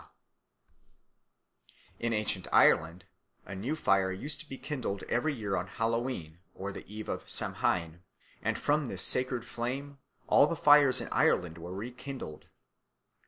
_" In ancient Ireland, a new fire used to be kindled every year on Hallowe'en or the Eve of Samhain, and from this sacred flame all the fires in Ireland were rekindled.